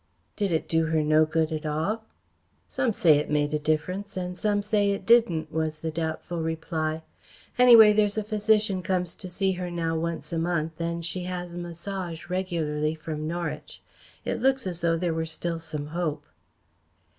"Did it do her no good at all?" "Some say it made a difference and some say it didn't," was the doubtful reply. "Anyway, there's a physician comes to see her now once a month, and she has massage regularly from Norwich. It looks as though there were still some hope."